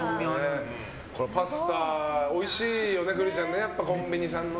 パスタおいしいよね、栗ちゃんコンビニさんの。